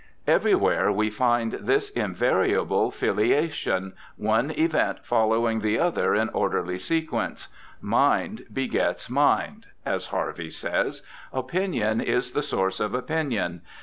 Every where we find this invariable filiation, one event follow ing the other in orderly sequence —' Mind begets mind,' as Harvey says ;' opinion is the source of opinion.